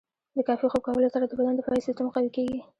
د کافي خوب کولو سره د بدن دفاعي سیستم قوي کیږي.